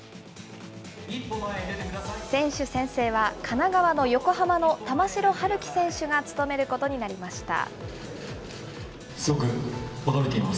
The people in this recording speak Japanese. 選手宣誓は、神奈川の横浜の玉城陽希選手が務めることになりました。